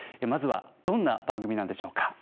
まずはどんな番組なんでしょうか。